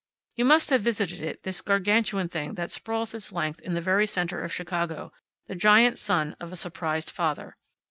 You must have visited it, this Gargantuan thing that sprawls its length in the very center of Chicago, the giant son of a surprised father.